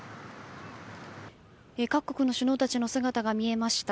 各国の首脳たちの姿が見えました。